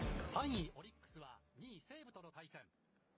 ３位オリックスは、２位西武との対戦。